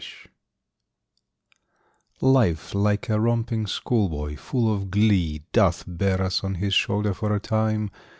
LIFE Life, like a romping schoolboy, full of glee, Doth bear us on his shoulder for a time.